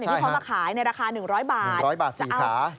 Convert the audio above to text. ที่เขามาขายในราคา๑๐๐บาท